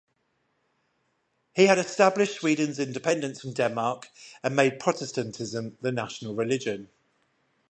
He had established Sweden's independence from Denmark and made Protestantism the national religion.